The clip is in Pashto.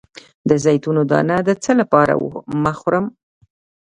د زیتون دانه د څه لپاره مه خورم؟